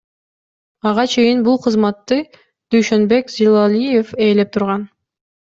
Ага чейин бул кызматты Дүйшөнбек Зилалиев ээлеп турган.